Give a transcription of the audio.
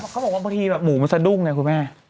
เขาบอกว่าบางทีแบบหมูมันสะดุ้งไงคุณแม่